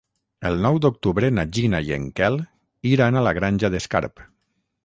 El nou d'octubre na Gina i en Quel iran a la Granja d'Escarp.